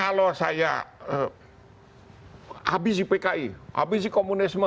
jadi kalau saya habisi pki habisi komunisme